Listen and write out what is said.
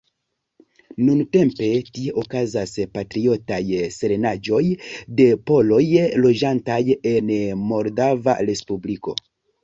Nuntempe tie okazas patriotaj solenaĵoj de poloj loĝantaj en Moldava Respubliko.